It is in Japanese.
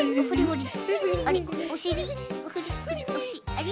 あれ？